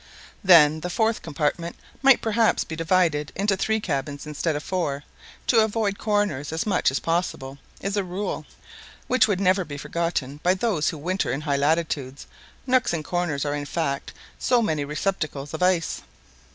Then the fourth compartment might perhaps be divided into three cabins, instead of four; for to avoid corners as much as possible is a rule which should never be forgotten by those who winter in high latitudes Nooks and corners are, in fact, so many receptacles of ice.